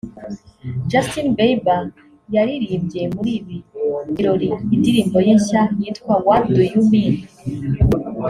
Justin Bieber yaririmbye muri ibi birori indirimbo ye nshya yitwa ‘What Do You Mean